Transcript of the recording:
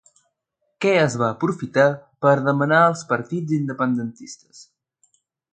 Què es va aprofitar per demanar als partits independentistes?